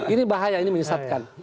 ini bahaya ini menyesatkan